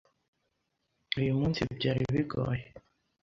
uyu munsi byari bigoye